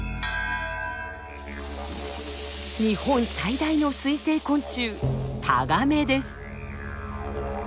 日本最大の水生昆虫・タガメです。